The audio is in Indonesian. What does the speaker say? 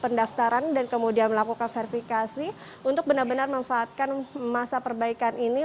pendaftaran dan kemudian melakukan verifikasi untuk benar benar memanfaatkan masa perbaikan ini